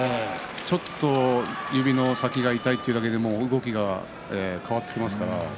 ちょっと指の先が痛いというだけで動きが変わってきますから。